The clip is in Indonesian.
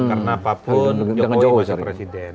karena pak prabowo masih presiden